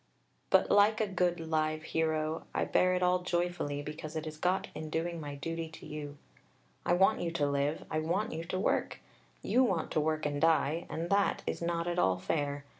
But like a good, live hero, I bear it all joyfully because it is got in doing my duty to you. I want you to live, I want you to work. You want to work and die, and that is not at all fair.